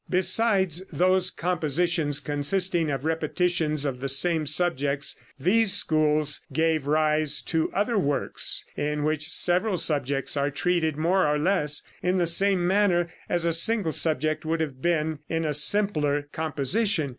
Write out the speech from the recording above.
Besides those compositions consisting of repetitions of the same subjects, these schools gave rise to other works in which several subjects are treated more or less in the same manner as a single subject would have been in a simpler composition.